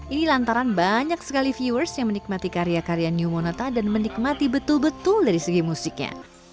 ini lantaran banyak sekali viewers yang menikmati karya karya new monata dan menikmati betul betul dari segi musiknya